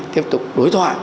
tiếp tục đối thoại